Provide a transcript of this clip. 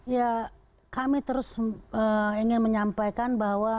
ya kami terus ingin menyampaikan bahwa